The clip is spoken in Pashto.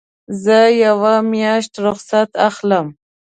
زه یوه میاشت رخصت اخلم.